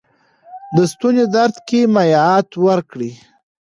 د ستوني درد کې مایعات ورکړئ.